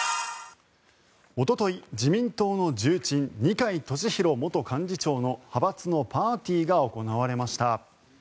おととい、自民党の重鎮二階俊博元幹事長の派閥のパーティーが行われました。